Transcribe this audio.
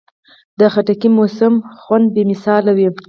د خټکي موسمي خوند بې مثاله وي.